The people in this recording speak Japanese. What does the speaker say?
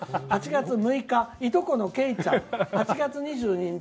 ８月６日、いとこのけいちゃん８月２２日